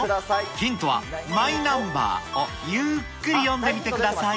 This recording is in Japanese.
ヒントは、マイナンバーをゆーっくり読んでみてください。